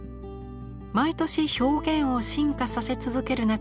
毎年表現を進化させ続ける中